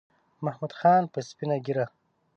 محمود خان په سپینه ګیره